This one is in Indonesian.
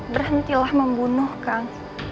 berhentilah membunuh kang